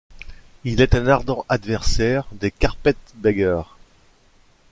Il est un ardent adversaire des carpetbaggers.